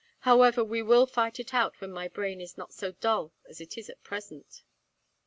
However, we will fight it out when my brain is not so dull as it is at present."